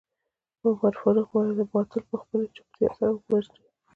عمر فاروق وويل باطل په خپلې چوپتيا سره ووژنئ.